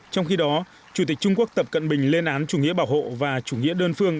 trong khi đó chủ tịch trung quốc tập cận bình lên án chủ nghĩa bảo hộ và chủ nghĩa đơn phương